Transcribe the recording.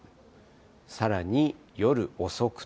さらに夜遅くと。